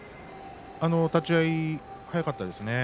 立ち合い速かったですね。